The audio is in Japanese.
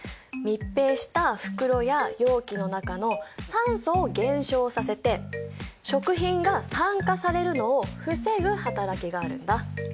密閉した袋や容器の中の酸素を減少させて食品が酸化されるのを防ぐはたらきがあるんだ。